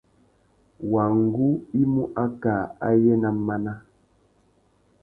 Wăngú i mú akā ayê ná máná.